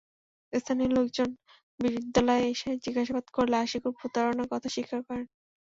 স্থানীয় লোকজন বিদ্যালয়ে এসে জিজ্ঞাসাবাদ করলে আশিকুর প্রতারণার কথা স্বীকার করেন।